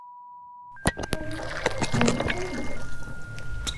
তুমি পশু প্রেমী?